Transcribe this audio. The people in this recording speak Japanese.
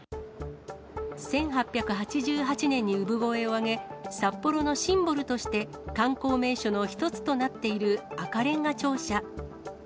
１８８８年に産声を上げ、札幌のシンボルとして、観光名所の一つとなっている赤れんが庁舎。